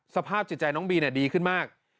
สภาพจิตใจน้องบีดีขึ้นมาก